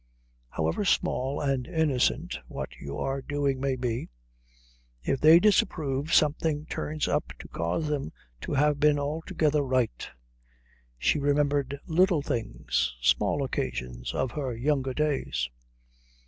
However small and innocent what you are doing may be, if they disapprove something turns up to cause them to have been altogether right. She remembered little things, small occasions, of her younger days....